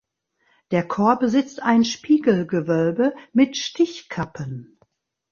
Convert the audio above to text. Der Chor besitzt ein Spiegelgewölbe mit Stichkappen.